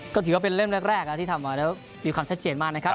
ก็ถือว่าเป็นเล่มแรกที่ทำมาแล้วมีความชัดเจนมากนะครับ